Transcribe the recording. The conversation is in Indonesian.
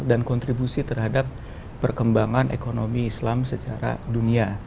dan kontribusi terhadap perkembangan ekonomi islam secara dunia